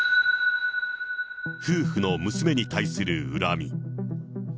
夫婦の娘に対する恨み。